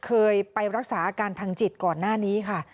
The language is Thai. เคยไปรักษาอาการทางจิตก่อนหน้านี้ค่ะ